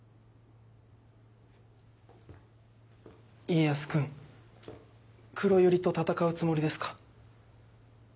家康君黒百合と戦うつもりですか？